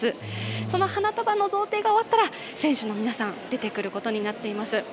その花束の贈呈が終わったら、選手の皆さん、出てくることになっています。